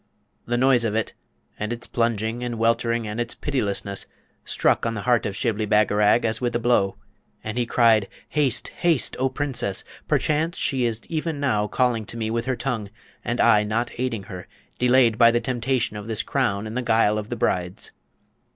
The noise of it, and its plunging and weltering and its pitilessness, struck on the heart of Shibli Bagarag as with a blow, and he cried, 'Haste, haste, O Princess! perchance she is even now calling to me with her tongue, and I not aiding her; delayed by the temptation of this crown and the guile of the Brides.'